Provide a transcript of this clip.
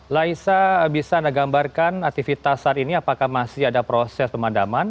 laisa bisa anda gambarkan aktivitas saat ini apakah masih ada proses pemadaman